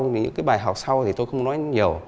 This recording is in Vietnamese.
vì những cái bài học sau thì tôi không nói nhiều